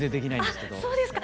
あっそうですか。